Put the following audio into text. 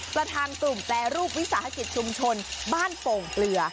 ประทานตุ่มแปรรูปวิศาธิกษ์ชุมชนบ้านโป่งเหลือ